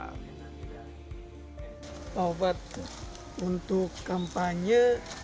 pak ofat untuk kampanye